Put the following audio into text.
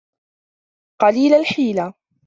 قَلِيلَ الْحِيلَةِ